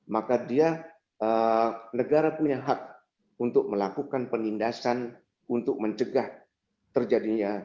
maka dia negara punya hak untuk melakukan penindasan untuk mencegah terjadinya